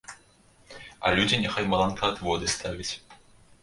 А людзі няхай маланкаадводы ставяць.